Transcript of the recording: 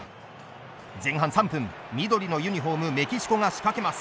前半３分、緑のユニフォームメキシコが仕掛けます。